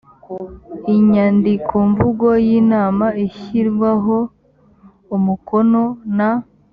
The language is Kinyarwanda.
inyandikomvugo y inama ishyirwaho umukono na